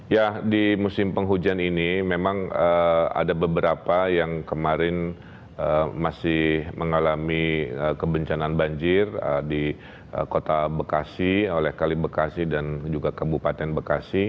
ya di musim penghujan ini memang ada beberapa yang kemarin masih mengalami kebencanaan banjir di kota bekasi oleh kali bekasi dan juga kabupaten bekasi